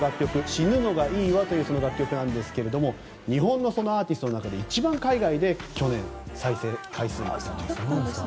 「死ぬのがいいわ」という楽曲なんですが日本のアーティストの中で海外で去年一番の再生回数になったと。